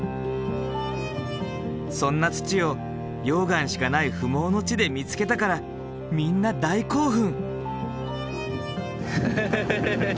そんな土を溶岩しかない不毛の地で見つけたからみんな大興奮。